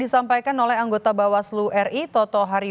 tidak kan menurut informasi mas toto tadi